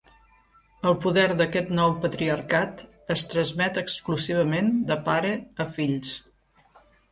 El poder d'aquest nou patriarcat es transmet exclusivament de pare a fills.